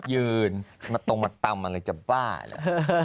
ยืนมาตรงมาตำอะไรจะบ้าเหรอ